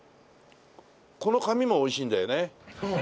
この紙も美味しいんだよね。